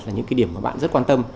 là những cái điểm mà bạn rất quan tâm